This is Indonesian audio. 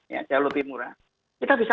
ya jauh lebih murah kita bisa